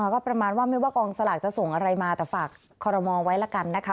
ก็ประมาณว่าไม่ว่ากองสลากจะส่งอะไรมาแต่ฝากคอรมอลไว้ละกันนะคะ